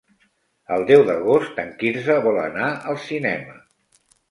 El deu d'agost en Quirze vol anar al cinema.